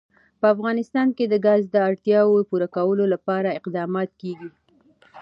په افغانستان کې د ګاز د اړتیاوو پوره کولو لپاره اقدامات کېږي.